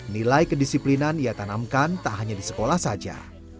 nilai kedisiplinan ia tanamkan tak hanya di sekolah saja